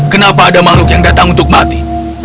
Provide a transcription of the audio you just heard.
kenapa ada makhluk yang datang untuk mati